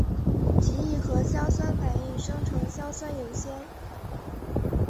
极易和硝酸反应生成硝酸铀酰。